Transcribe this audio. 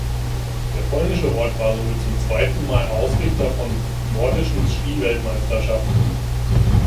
Der polnische Ort war somit zum zweiten Mal Ausrichter von Nordischen Skiweltmeisterschaften.